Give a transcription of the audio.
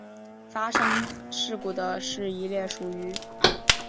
发生事故的是一列属于。